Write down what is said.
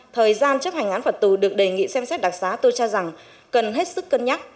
thời gian chấp hành án phật tù được đề nghị xem xét đặc xá tôi cho rằng cần hết sức cân nhắc